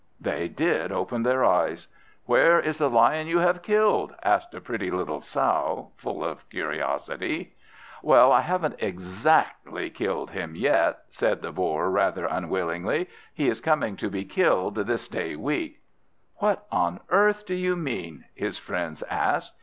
They did open their eyes. "Where is the Lion you have killed?" asked a pretty little sow, full of curiosity. "Well, I haven't exactly killed him yet," said the Boar rather unwillingly. "He is coming to be killed this day week." "What on earth do you mean?" his friends asked.